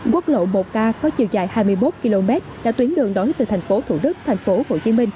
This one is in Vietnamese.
quốc lộ một k có chiều dài hai mươi một km đã tuyến đường đối từ tp thủ đức tp hcm